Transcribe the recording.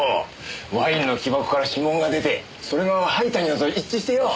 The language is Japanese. ワインの木箱から指紋が出てそれが灰谷のと一致してよ